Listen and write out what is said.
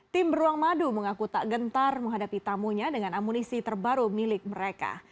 tim beruang madu mengaku tak gentar menghadapi tamunya dengan amunisi terbaru milik mereka